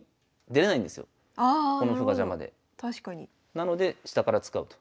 なので下から使うと。